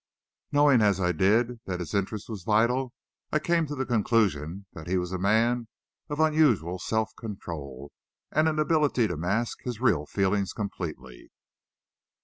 Knowing, as I did, that his interest was vital, I came to the conclusion that he was a man of unusual self control, and an ability to mask his real feelings completely.